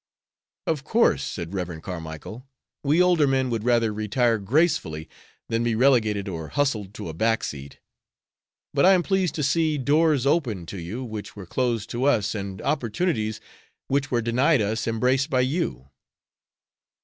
"Of course," said Rev. Carmicle, "we older men would rather retire gracefully than be relegated or hustled to a back seat. But I am pleased to see doors open to you which were closed to us, and opportunities which were denied us embraced by you."